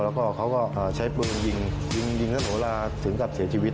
เค้าเจอตัวเค้าก็ใช้ปลูกยิงยิงท่านหล่าถึงกับเสียชีวิต